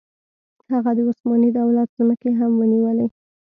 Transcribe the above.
هغه د عثماني دولت ځمکې هم ونیولې.